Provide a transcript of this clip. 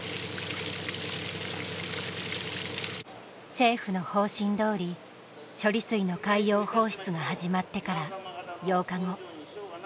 政府の方針どおり処理水の海洋放出が始まってから８日後。